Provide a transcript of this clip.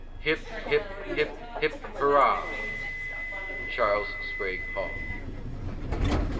Hip, hip, hip, hip, Hurrah! CHARLES SPRAGUE HALL.